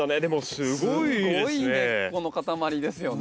すごい根っこの塊ですよね。